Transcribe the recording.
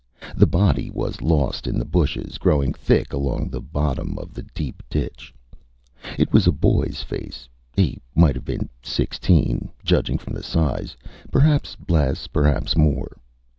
The body was lost in the bushes growing thick along the bottom of the deep ditch. It was a boyÂs face. He might have been sixteen, judging from the size perhaps less, perhaps more.